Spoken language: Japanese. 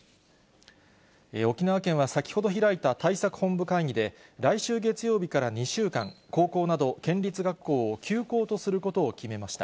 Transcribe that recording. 沖縄県は先ほど開いた対策本部会議で、来週月曜日から２週間、高校など県立学校を休校とすることを決めました。